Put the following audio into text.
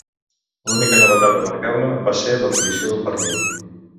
L'única novetat remarcable va ser l'aparició d'un pernil.